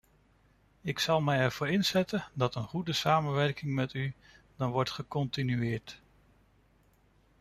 Ik zal mij ervoor inzetten dat een goede samenwerking met u dan wordt gecontinueerd.